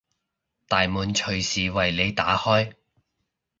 大門隨時為你打開